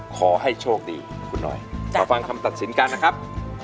ขอให้โชคดีคุณหน่อยมาฟังคำตัดสินกันนะครับ